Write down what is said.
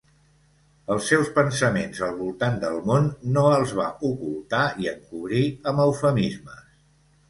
Els seus pensaments al voltant del món no els va ocultar i encobrir amb eufemismes.